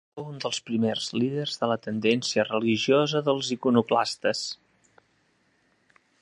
Fou un dels primers líders de la tendència religiosa dels iconoclastes.